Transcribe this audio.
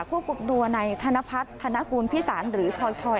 คู่ปรุปตัวในธนพัฒน์ธนกรพิสานหรือคอยอันดับ